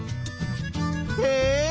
え？